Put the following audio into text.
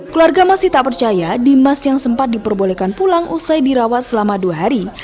keluarga masih tak percaya dimas yang sempat diperbolehkan pulang usai dirawat selama dua hari